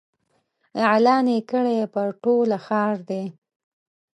اعلان یې کړی پر ټوله ښار دی